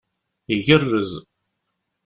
Igarrez!